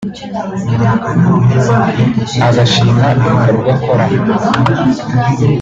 agashima ibikorwa akora